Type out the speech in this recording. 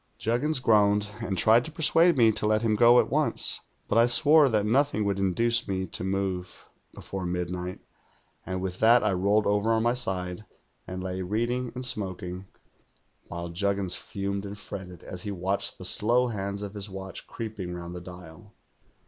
"Juggins groaned, and tried to persuade me to let him go at once; but I swore that nothing would in duce me to move before midnight, and with that I rolled over on my side and lay reading and smokmg, while Juggins fumed and fretted as he watched the slow hands of his watch creeping round the dial.